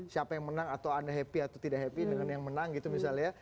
siapa yang menang atau anda happy atau tidak happy dengan yang menang gitu misalnya